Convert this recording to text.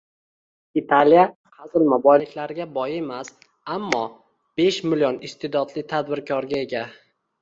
«Italiya qazilma boyliklariga boy emas, ammo besh million iste’dodli tadbirkorga ega»,.